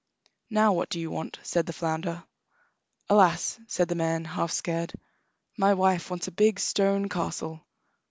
"Now, what do you want?" said the flounder. "Alas," said the man, half scared, "my wife wants a big stone castle."